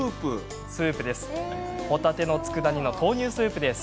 ほたてのつくだ煮の豆乳スープです。